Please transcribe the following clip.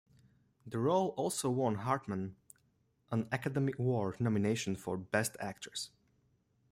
The role also won Hartman an Academy Award nomination for Best Actress.